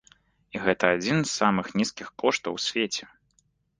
І гэта адзін з самых нізкіх коштаў у свеце.